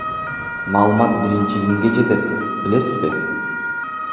Маалымат биринчи кимге жетет, билесизби?